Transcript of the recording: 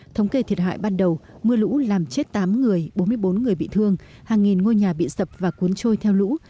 thống kê thiệt hại ban đầu mưa lũ làm chết tám người bốn mươi bốn người bị thương hàng nghìn ngôi nhà bị sập và cuốn trôi theo lũ